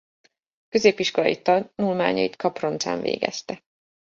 Középiskolai tanulmányait Kaproncán végezte.